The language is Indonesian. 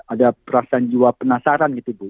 ada perasaan jiwa penasaran gitu bu